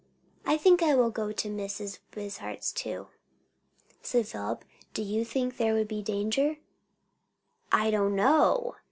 "I think I will go to Mrs. Wishart's too," said Philip. "Do you think there would be danger?" "I don't know!"